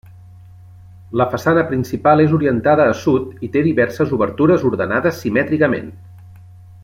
La façana principal és orientada a sud i té diverses obertures ordenades simètricament.